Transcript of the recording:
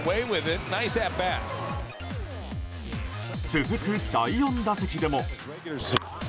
続く第４打席でも。